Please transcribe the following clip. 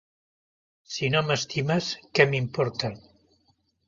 Si no m'estimes, què m'importa?